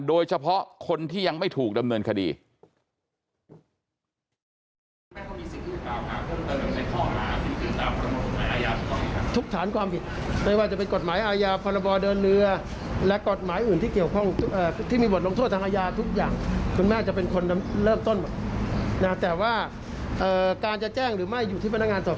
โดยเฉพาะคนที่ยังไม่ถูกดำเนินคดี